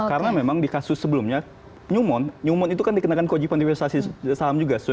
karena memang di kasus sebelumnya nyumon nyumon itu kan dikenakan kajiban diversasi saham juga